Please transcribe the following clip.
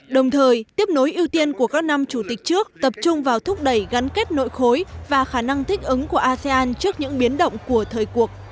đồng thời tiếp nối ưu tiên của các năm chủ tịch trước tập trung vào thúc đẩy gắn kết nội khối và khả năng thích ứng của asean trước những biến đổi